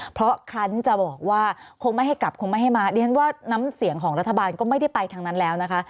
เพราะครั้นจะบอกว่าคงไม่ให้กลับคงไม่ให้มาดิฉันว่าน้ำเสียงของรัฐบาลก็ไม่ได้ไปทางนั้นแล้วนะคะ